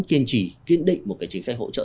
kiên trì kiên định một cái chính sách hỗ trợ